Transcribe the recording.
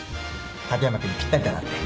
立山君にぴったりだなって。